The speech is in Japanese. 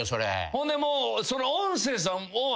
ほんでもう。